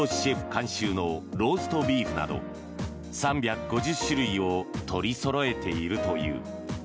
監修のローストビーフなど３５０種類を取りそろえているという。